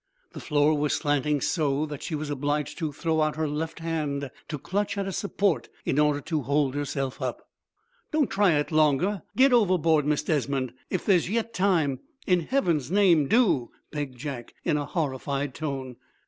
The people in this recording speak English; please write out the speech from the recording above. The floor was slanting so that she was obliged to throw out her left hand to clutch at a support in order to hold herself up. "Don't try it any longer. Get overboard, Miss Desmond, if there's yet time. In heaven's name do!" begged Jack, in a horrified tone.